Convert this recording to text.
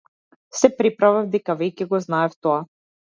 Се преправав дека веќе го знаев тоа.